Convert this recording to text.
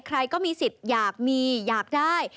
ใครก็มีสิทธิ์อยากมีอยากได้